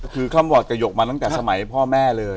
คือคำหวัดกระหกมาตั้งแต่สมัยพ่อแม่เลย